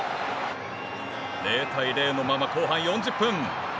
０対０のまま、後半４０分。